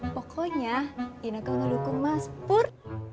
pokoknya ini kok ngedukung mas pur